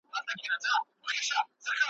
په قدم د سپېلني به د رڼا پر لوري ځمه `